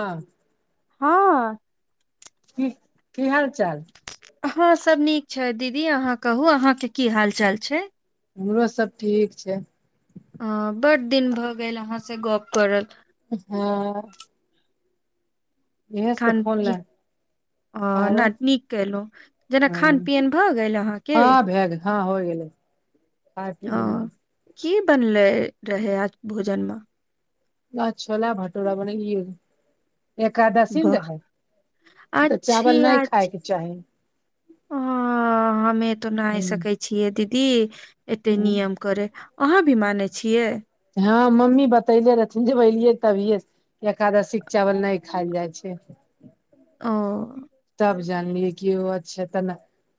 हँ हँ की की हाल चाल हँ सब नीक छै दीदी अहाँ कहू अहाँ के की हाल चाल छै हमरो सब ठीक छै अ बड दिन भऽ गेल अहाँसे गप करल हँ इएहे सब खान फोन पी लए अ नट नीक केलौं जेना खान हँ पियन भए गेल अहाँके हँ भए गेल हँ होय गेलै खा पी ओ लेलियै की बनलै रहै आज भोजनमे आज छोला भाटोरा बने य एकादशी ने वाह रहै तऽ चावल अच्छी नै अच्छ खायके चाही अ हमे तऽ नाहि सकै छियै दीदी एते नियम करै अहाँ भी मानै छियै हँ मम्मी बतैले रहथिन जब अलियै तभिए से एकादशी के चावल नय खायल जाइ छै ओ तब जानलियऐ कि ओ अच्छा त ना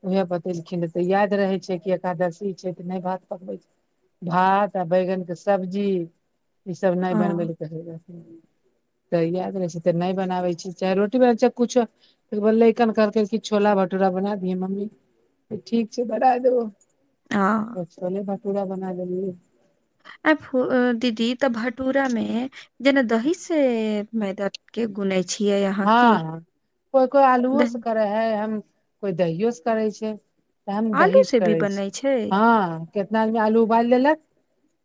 उएह बतेलखिन नै तऽ याद रहै छै कि एकादशी छै तऽ नै भात पकबै छै भात आ बैगन के सब्जी ई सब नै अ बनबैला त याद नै छै तऽ नै बनाबै छी चाहे रोटी बना चाहे कुछो ओय के बाद लैकन कहलकै कि छोला भटूरा बना दियै मम्मी ठीक छै बनाय देबो आँ त छोले भटूरा बनाय देेलीयै ए फु दीदी तऽ भटूरा मे जेना दहि से मैदान के गुनै छियै अहाँ की हँ हँ कोइ कोइ आलुओ से दही करै है हम कोइ दहियो से करै छै त हम आलू दहीज से भी करै छी बनै छै हँ कितना आदमी आलू उबालि लेलक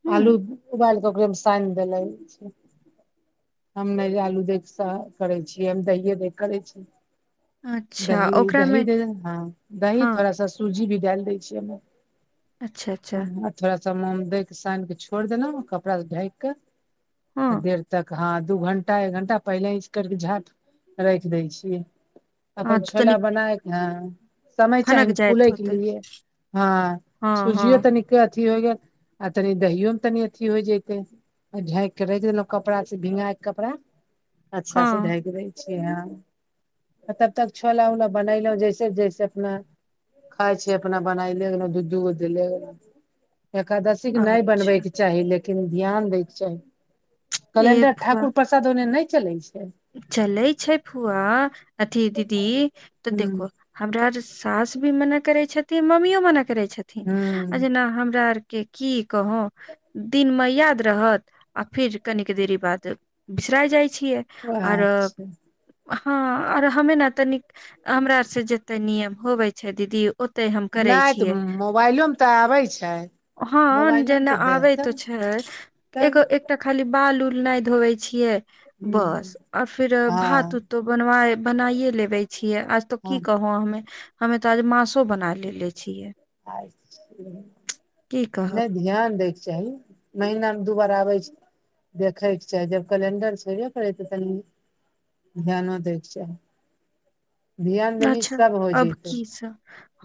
हूँ आलू उबाल क ओकरे मे साएन देले छै हम नहि आलू देख स करै छी जेम दइए द करै छी अच्छा दही दही ओकरामे दे दे हँ दही हँ थोड़ा सा सू सूजी भी डालि दै छीयै अई अच्छा अच्छा मे [unintelligible] थोड़ा सा मुंम दै के सानि केऽ छोड़ि देलौं कपड़ा से ढाएक क हँ आ देर तक हँ दू घंटा एक घंटा पहिले इस कर के झाप राखि दै छिय हँ अपन तऽ छोला तनिक बनायके हँ समय चाही फनक ने जाइत फूलै के होतै लिए हँ हँ हँ सुजिये तनीक अथी होइ गेल आ तनि दहियो मे तनि अथि होय जयतै झाएक के राख देलौं कपड़ा से भींगा के कपड़ा अच्छा हँ से झाएक दे ह तब तक छोला उला बनेलहुँ जैसे जैसे अपना खाय छी अपना बनाय ले गेलो दूधू गध देले गेल एकादशी नय अच्छा बनबैके चाही लेकिन ध्यान दैके चाही ए कलेंडर फुआ ठाकुर प्रसाद ओन्ने नय चलै छै चलै छै फूआ अथी दीदी तऽ हूँ देखो हमरा जे सास भी मना करैत छथिन मम्मयो मन करैत छथिन आ हूँ जेना हमरा आर के की कहो दिन मे याद रहत आ फेर कनिक दे बाद बिसरा जाइ छियै आर अच्छा हँ आरो हमे ने तनिक हमरा आर से जते नियम होवे छै दीदी ओतै हम करै नाय तऽ छियै मोबाइलोमे तऽ आबैत छै हँ मोबाइलोमे जेना तऽ आबै देखतै त छय तब एगो तटा खाली बाल उल नहि धोबै छियै बस [inaudible] आ फिर भात हँ उत तो बन बनाइे लेबे छियै आज तो हँ की कहू हमे हमे तऽ आज मासो बना लेलेे छियै [inaudible] की कहब ध्यान दैके चाही महिना मे दू बार आबै छै देखैके चाही जब कैलेंडर छ होेबे करै तऽ तनि ध्यानो दैके चाही ध्यान देबी अच्छा सब हो अब जतौ की सब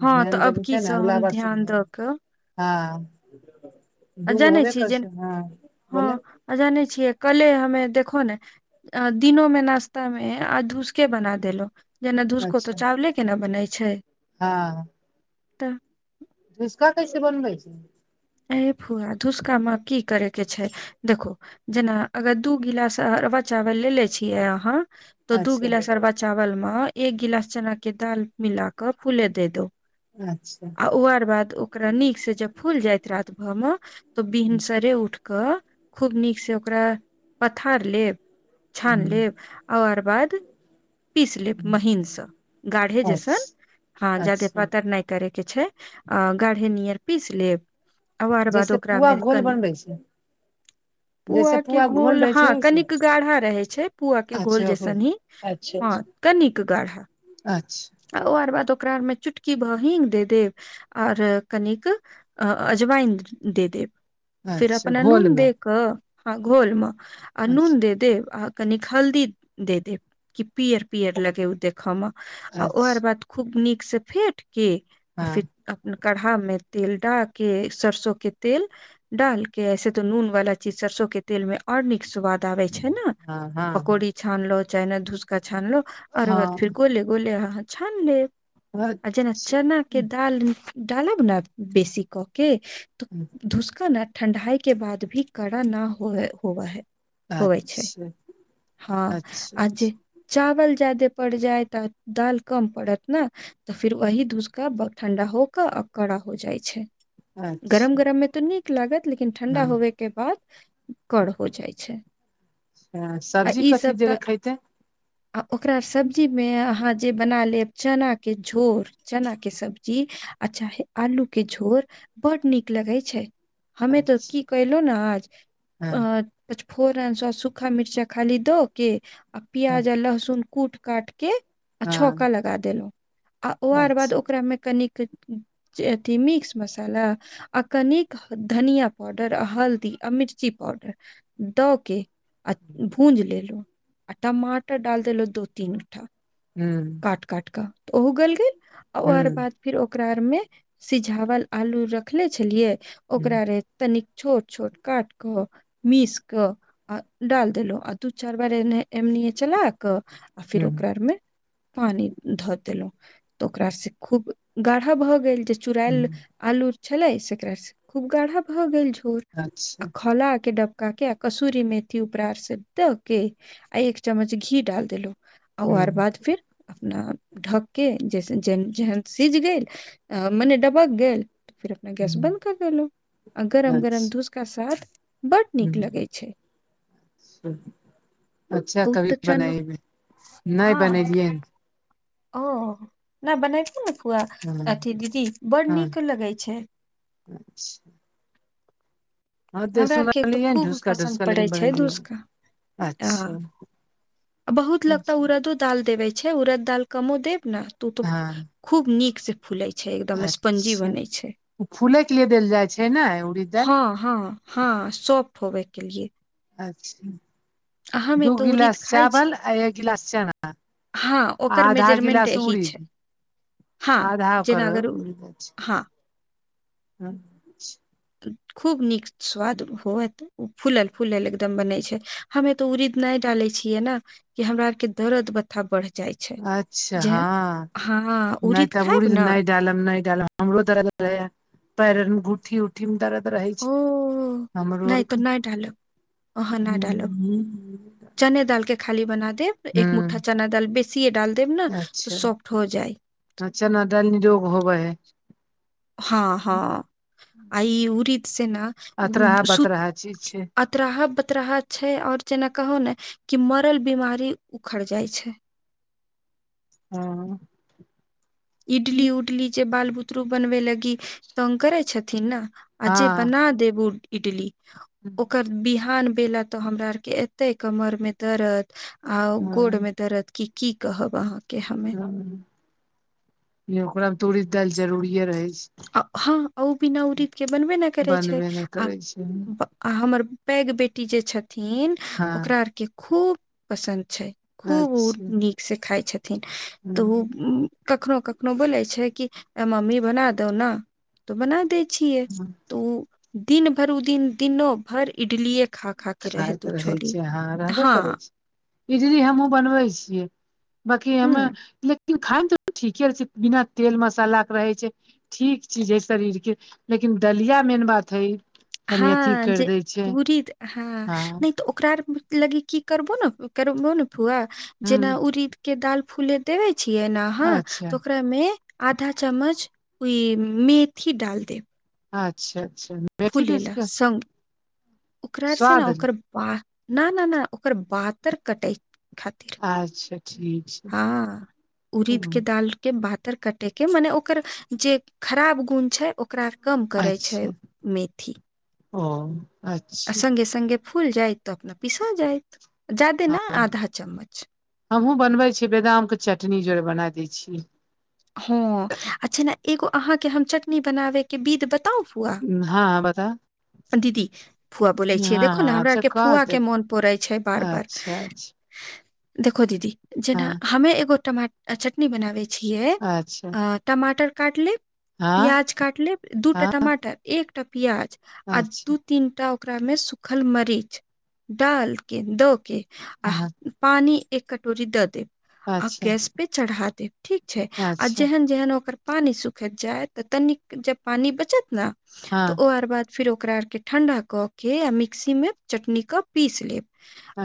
हँ तऽ ध्यान अब देबी की ते ने सब अगला हम बार स ध्यान दऽ दे कऽ हँ आ दूगो होबे करछे हँ बोल अजा जाने छियै कले हमे देखो ने अ दिनो में नाश्ता मे आ धुसके बना देलो जेना धुसको तऽ अच्छा चावले केना बनै छै तऽ धुसखा कैसे बनबै छी ही ए फुआ धुसका म की करे के छै देखो जेना अगर दू गिलास अरवा चावल लेे छियै अहाँ तो दू अच्छा गिलास अरवा चावल मे एक गिलास चना के दाल मिला क फूले दे दो अच्छा ओ अरबाद ओकरा नीक स जब फुल जात रात भेर म त भिनसरे उठ क खूब नीकसँ ओकरा पथार लेब छान हूँ लेब आ ओकर बाद पीस लेब महीसँ गाढ़े जैसन अच्छा हँ जदे अच्छा पातर नइ करयके छै अ गाढ़े नियर पीस लेब आ ओकर बाद जैसे पुआ ओकरामे घोल कनि बनबै छै जैसे पुआ के घोल रहै छै हँ ओहिसे कनिक गाढ़ा रहे छै पुआ के घोल अच्छा ओकरो जैसन ही अच्छा हँ अच्छा कनिक गाढ़ अच्छा आ ओर बाद ओकरामे चुटकी भ हींग दे देब आर कनिक अजवइन दे देब आ फिर अच्छा अपना घोल नून मे दे क ह घोल मे आ नून अच्छा दे देब आ कनिक हल्दी दे देब की पीयर पीयर लगे ओ देखय मे आ ओर अच्छा बाद। खूब नीक से फेट के आ फेर हँ अपन काढ़ामे तेल ड कऽ सरसों तेल डाल के ऐसे तो नून वाला चीज सरसों के तेल मे और नीक स्वाद बताबे छै नऽ हँ हँ पकौड़ी छानलो चाहे ने धूसका छानलो आर बाद फिर हँ गोल। गोले अहाँ छान लेब आ जेना अच्छा चना केँ अच्छा दाल। डालब नऽ बेसी कऽ केँ तऽ धुसका नऽ ठण्डा ई केँ बाद भी कड़ा ना होए हबअ हई अच्छऽ हँ आ जे चावल ज्यदे पड़ जाय तऽ दाल कम पड़त न। तऽ फिर वही धुसका ब ठण्डा हो कऽ आ कड़ा हो जाइ छै। अच्छा गरम गरम मे तऽ नीक लागत लेकिन ठंडा होबे केँ बाद कड़ हो जाइ छैय। हँ सब्जी कथी त जड़े खइते। आ ओकरा सब्जीमे अहाँ जे बना लेब चना केँ झोर। चना केँ सब्जी आ चाहे आलू केँ झोर बड्ड नीक लगै छै। हमे तऽ अच्छा की कैलो नऽ आज हँ अ पछफोरन सँ सुखा मि चा खाली दो केँ आ हँ प्याज आ लहसुन कूट काट केँ आ छौका हँ लगा देलहुँ आ ओ आर बाद अच्छा ओकरामे कनिक जे अथी मिक्स मसाला आ कनिक धनिया पाउडर आ हल्दी आ मिर्ची पाउडर दऽ केँ भूज लेलहुँ आ टमाटर डाल देलहुँ दू तीन टा हुँ काट काट कऽ त ओहो गल गेल आ ओ अर हूँ बाद फिर ओकरा आर मे सिझावल आलू रखले छलियै हूँ ओकरा रे तनिक छोट छोट काट कऽ मीस कऽ आ डाल देलो आ दू चार बार ए एमनी चला कऽ आ फिर हूँ ओकरा अरमे पानि धऽ देलहुँ तऽ ओकरा से खूब गाढ़ा भऽ गेल जे चुराएल हूँ आलू छलै तेकर से खूब गाढ़ा भऽ गेल झोर अच्छा आ खोला केँ ड का केँ आ कसूरी मेथी ऊपरा अर से दऽ केँ आ एक चम्मच घी डाल देलो आ ओ हूँ अर बाद फिर अपना ढक कऽ जैस जेहन जेहन सिझ गेल मने डबक गेल फिर अपना गैस हूँ बन्द कर देेलो आ गरम गरम अच्छा धूसका साथ बड्ड नीक लगै छै अच्छऽ ओ कभी तऽ भी चनू बनैयबै नय हँ बनेलियै ओ नऽ बनेथिन नऽ फुआ हँ अथी दीदी बड़ हँ नीक लगेय छै [inaudible] हँ तऽ हमरा आर केँ तऽ सुनलियै ने खूब ढुसका पसन्द ढुसका पड़ै लेकिन छै बनेलियै नहि। घुसका हँ अच्छा बहुत लगताे उड़दो दाल देवे छै उड़द दाल कमो देब नऽ तो उ तो हँ खूब नीक से फुलै छै एकदम स्पंजी अच्छा बनै छै ओ फूले के लिए देल जाइ छै ने उड़ीद दालि हँ हँ हँ सॉफ्ट होबे केँ लिए अचछा आ हमे दू तऽ उड़ीद गिलास खाइ छी चावल आ एक गिलास चना हँ ओकर आधा मेजरमेंट गिलास यही उड़ीद छै हँ आधा ओकर जेना अगर उ- हँ [unintelligible] खूब नीक स्वाद होएत फूलल फूलल एकदम बनै छै हमे तऽ उरीद नय डालै छियै नऽ कि हमरा आर केँ दर्द बथा बढ़ै जाइ छै अच्छा जेहन हँ हँ नहि उरीद तब खायब उड़ीद नऽ नहि डालब नइ डालब हमरो दर्द रहे य पैर अर मऽ घूठी उठी मे दर्द रहै छै ओ हमरो नहि आर के तऽ नहि [unintelligible] अहाँ नऽ डालब हूं चने दाल के खाली बना देब एक मुठ्ठा चना दाल बेस डाल देब ने तऽ सॉफ्ट हो जाइ ओ चना दल निरोग होबे है हँ हँ आइ उरीद से नऽ अतराहा सु बतराहा चीज छै बतराहा बतराहा छै और जेना कहो ने कि मरल बीमारी उखड़ जाइ छै हँ इडली हँ उडली जे बाल बुतरू बनबे लागी तंग करै छथिन ने आ जे बना देब इटली ओकर बिहान भेल तो हमरा आर के एते कमर में दरद आ गोड़ हँ में दरद क की कहब अहा के हम ओकरामे उरिदि दालि जरूरिे रहै छै हँ ओ बिना उरीद के बनबे नहि करै छै बनबे नहि आ करै छै आ हमर पैघ बेटी जे छथिन हँ ओकरा आरके खूब पसन्द छै खूब ओ अच्छा नीक से खाइ छथिन हूं तऽ कखनहु कखनोहु बोलै छै कि मम्मी बना दौ नऽ तऽ बना दै छियै तो दिन भर उ दिन दिनो भर इटलियए खा खा के खााय रहैत तऽ ओ रहै छोरी छै अहाँ रहबे हँ करै छै इटली हमहुूँ बनबै छियै बाकि ह लेकिन खाायमे तऽ ठीके रहै छै बिना तेल मसालाक के रहै छै ठीक चीज हइ शरीरके लेकिन दलिया मेन बात हइ हँ जे उरीद हँ नहि तऽ ओकरा लगी की करबो नऽ करबो नऽ फुआ हूँ जेना उरीदके दालि फूल देबै छियै ने अहाँ तऽ अच्छा ओकरामे आधा चम्मच ओहि मेथी डाल देब अच्छा अच्छा फूल मेथी दिस लए के संग ओकरारसँ ने स्वाद ओकर ब न न नहि ओकर बातर कटैत खातिर अच्छा ठीक छै हँ उरीीद हूँ कऽ दाल के बातर कटे के मने ओकर जे खराब गुण छै ओकरा कम करै छै अच्छा मेथी ओ आ अच्छा सङ्गे सङ्गे फूल जाइत तऽ अपना पीसा जायइत ज्यादा हँ नऽ आधा चम्मच हमहुँ बनबै छीियै बदाम कऽ चटनी जोड़े बना दै छीियै हँ अच्छा ने एगो अहाँके हम चटनी बनाबे के बिध बताउ फुआ हँ बताउ दीदी फुआ बोलै छियै देखो नऽ हमरा अच्छा आरके फुआ कहते के मोन पड़ै छै बार बार अच्छा अच्छा देखो दीदी जेना हँ हमे एगो टमा चटनी बनाबै छियै अच्छा अ टमाटर काट लेब हँ प्याज काट लेब दूटा हँ टमाटर एकटा प्याज आ अच्छा दू तीनटा ओकरामे सुूखल मरीच डालके दऽ के आ हँ पानी एक कटोरी दऽ देब आ अच्छा गैस पे चढ़ा देब ठीक छै आ अच्छा जेहन जेहन ओकर पानी सुखैत जाय तऽ तनिक जब पानी बचत ने तऽ हँ ओ आर बाद फेर ओकरा आरके ठण्डा कऽ के आ मिक्सीमे चटनीीके पीस लेब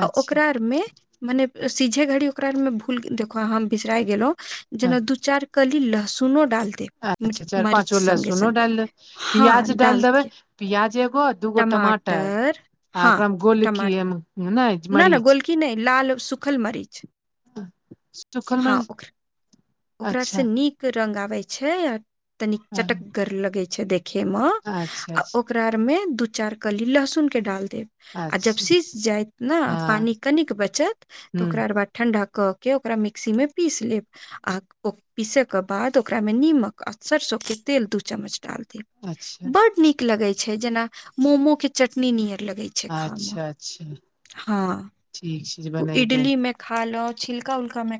आ अच्छा ओकरा आरमे मने सीझे घड़ी ओकरा मे भूल देखो बिसरा गेलहु हँ जेना दू चारि कली लहसुनो डालते अच्छा चारि मरीच पाँच गो संगे लहसुनो संगे डालि देब हँ प्याज डालि देबै डालके प्याज एगो दूगो टमाटर आ ओकरा मे गोल की ये ने ने ने गोलकी नहि लाल सुखल मरीच सुखल हँ मरीच ओकरा ओकरा अच्छा से नीक रंग आबे छै आ तनिक हाँ चटकगर लगे छै देख खेम अच्छा आ अच्छा ओकरा आरमे दू चारि कली लहसुनके डाल देब आ जब अच्छा सीझ जायत ने हँ पानि कनिक बचत त ह्म ओकरा बाद ठंडा क के ओकरा मिक्सी मे पीस लेब आ ओ पीसै के बाद ओकरामे निमक आ सरिसोके तेल दू चम्मच डालि देब अच्छा बड नीक लगैत छै जेना मोमो के चटनी नियर लगैत छै खा मे अच्छा अच्छा हँ ठीक छै जे बनेबै इडली में खा ला छिलका उलका मे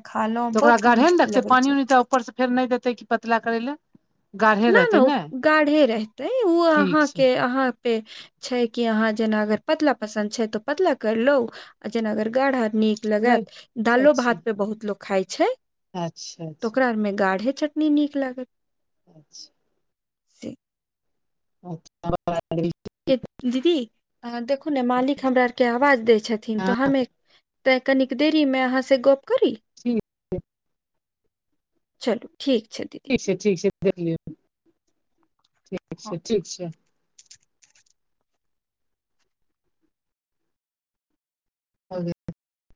त ओकरा गढ़े ने देखतै पानि उनि त ऊपर सँ फेर नहि देतै कि पतला करै लै नहि नहि ओ गाढ़े रहतै ओ ठीक अहाँ छै के अहाँ पे छै कि अहाँ जेना अगर पतला पसन्द छै त पतला करलू आ जेना अगर गाढा आ नीक नहि लगत दालो अच्छा भात पे बहुत लोक खाइ छै अच्छा त अच्छा ओकरा मे गाढ़े चटनी नीक लागत अच्छा ठीक अ आ ए दीदी अ देखू ने मालिक हमरा आरके आवाज दै छथिन त हमे त कनिक देरीमे अहाँ सँ गप्प करी ठीक चलू ठीक छै दीदी ठीक छै देखलियौ ठीक हँ छै ठीक छै [unintelligible]